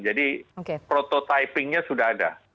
jadi prototypingnya sudah ada